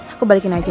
aku balikin aja